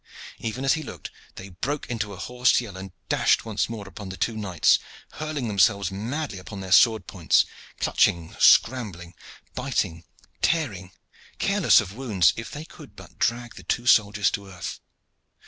Even as he looked, they broke into a hoarse yell and dashed once more upon the two knights, hurling themselves madly upon their sword points; clutching, scrambling, biting, tearing, careless of wounds if they could but drag the two soldiers to earth.